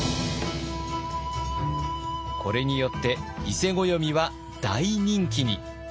これによって伊勢暦は大人気に。